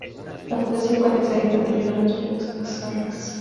La Fundación Konex ha editado “El Libro de los Premios Konex.